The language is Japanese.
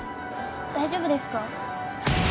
大丈夫ですか？